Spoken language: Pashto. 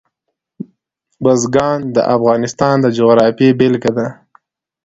بزګان د افغانستان د جغرافیې بېلګه ده.